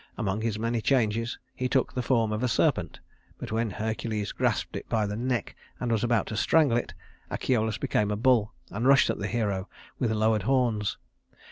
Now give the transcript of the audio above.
Among his many changes, he took the form of a serpent; but when Hercules grasped it by the neck and was about to strangle it, Achelous became a bull and rushed at the hero with lowered horns.